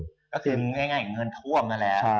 ก็คือง่ายเงินท่วมนั่นแหละ